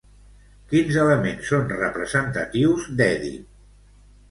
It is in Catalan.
Quins elements són representatius d'Èdip?